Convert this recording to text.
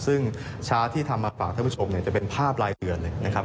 ซึ่งชาร์จที่ทำมาฝากท่านผู้ชมจะเป็นภาพรายเดือนเลยนะครับ